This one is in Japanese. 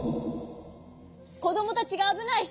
こどもたちがあぶない！